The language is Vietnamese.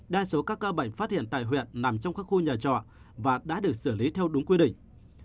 đa số các ca bệnh phát hiện tại huyện nằm trong các khu nhà trọ và đã được xử lý theo đúng quy định